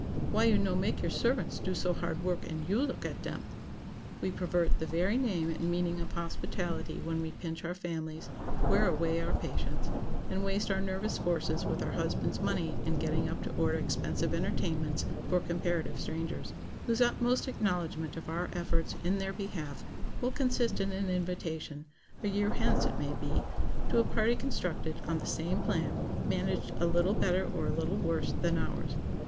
"Why you no make your servants do so hard work, and you look at dem?" We pervert the very name and meaning of hospitality when we pinch our families, wear away our patience, and waste our nervous forces with our husbands' money in getting up to order expensive entertainments for comparative strangers, whose utmost acknowledgment of our efforts in their behalf will consist in an invitation, a year hence it may be, to a party constructed on the same plan, managed a little better or a little worse than ours.